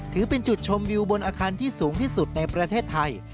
ถือเป็นจุดชมวิวบนอาคารที่สูงที่สุดในประเทศไทย